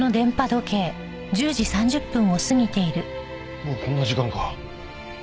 もうこんな時間か。